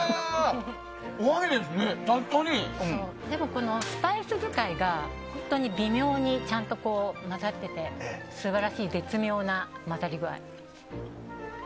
このスパイス遣いがちゃんと混ざってて素晴らしい絶妙な混ざり具合。